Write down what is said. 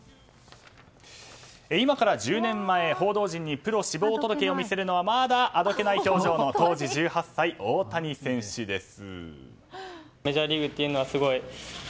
今から１０年前報道陣にプロ志望届を見せるのはまだあどけない表情の当時１８歳、大谷選手です。